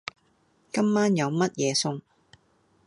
今晚有乜嘢餸?